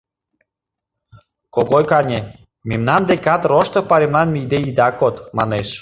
— Когой кане, мемнан декат Рошто пайремлан мийыде ида код, — манеш.